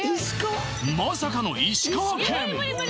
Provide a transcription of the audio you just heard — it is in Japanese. まさかの石川県！